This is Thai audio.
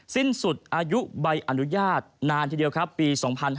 สิ้นสุดอายุใบอนุญาตนานทีเดียวครับปี๒๕๕๙